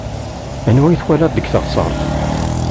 Anwa i twalaḍ deg teɣseṛt?